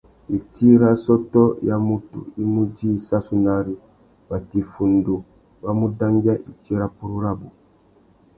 Itsi râ assôtô ya mutu i mú djï sassunari, watu iffundu wa mu dangüia itsi râ purú rabú.